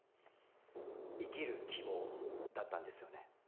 生きる希望だったんですよね？